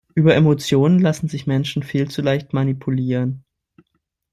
Über Emotionen lassen sich Menschen viel zu leicht manipulieren.